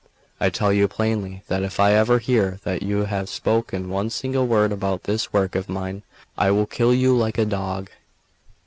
I tell you plainly that if I ever hear that you have spoken one single word about this work of mine, I will kill you like a dog.